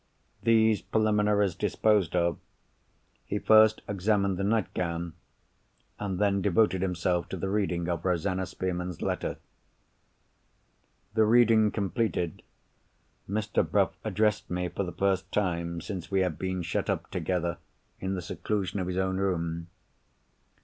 These preliminaries disposed of, he first examined the nightgown, and then devoted himself to the reading of Rosanna Spearman's letter. The reading completed, Mr. Bruff addressed me for the first time since we had been shut up together in the seclusion of his own room.